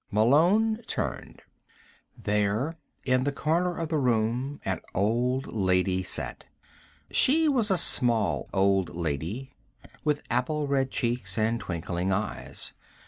Malone turned. There, in a corner of the room, an old lady sat. She was a small old lady, with apple red cheeks and twinkling eyes.